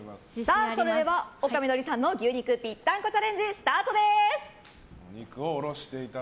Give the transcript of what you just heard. それでは、丘みどりさんの牛肉ぴったんこチャレンジスタートです。